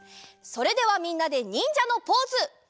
それではみんなでにんじゃのポーズ！